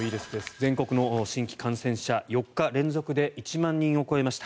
全国の新規感染者４日連続で１万人を超えました。